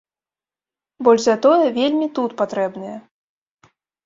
Больш за тое, вельмі тут патрэбныя.